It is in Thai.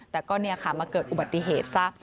แต่ก็เนี่ยค่ะมาเกิดอุบัติเหตุซะ